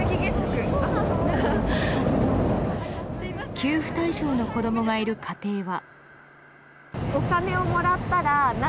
給付対象の子供がいる家庭は。